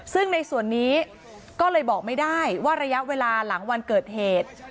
ซึ่งในส่วนนี้ก็เลยบอกไม่ได้ว่าระยะเวลาหลังวันเกิดเหตุ